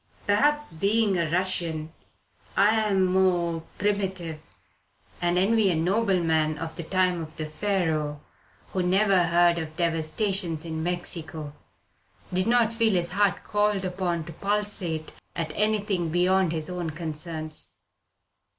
"Perhaps, being a Russian, I am more primitive and envy a nobleman of the time of Pharaoh who never heard of devastations in Mexico, did not feel his heart called upon to pulsate at anything beyond his own concerns.